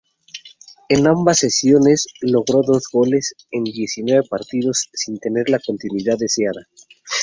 En ambas cesiones logró dos goles en diecinueve partidos, sin tener la continuidad deseada.